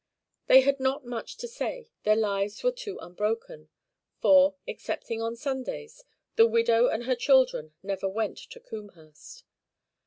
They had not much to say, their lives were too unbroken; for, excepting on Sundays, the widow and her children never went to Combehurst.